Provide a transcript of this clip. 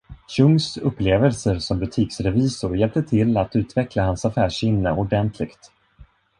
Chungs upplevelser som butiksrevisor hjälpte till att utveckla hans affärssinne ordentligt.